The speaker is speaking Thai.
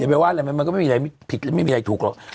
ไปว่าอะไรมันก็ไม่มีอะไรผิดและไม่มีอะไรถูกหรอก